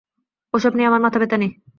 ওসব নিয়ে আমার মাথাব্যথা নেই।